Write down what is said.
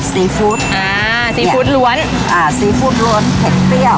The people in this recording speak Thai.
ซีฟู้ดอ่าซีฟู้ดล้วนอ่าซีฟู้ดล้วนเผ็ดเปรี้ยว